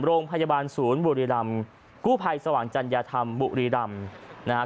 โรงพยาบาลศูนย์บุรีรำกู้ภัยสว่างจัญญาธรรมบุรีรำนะฮะ